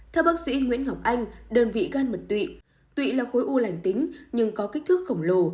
theo bác sĩ nguyễn ngọc anh đơn vị gan mật tụy là khối u lành tính nhưng có kích thước khổng lồ